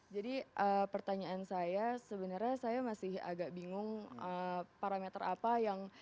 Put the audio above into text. jadi pertanyaan saya sebenarnya saya masih agak bingung parameter apa yang menentukan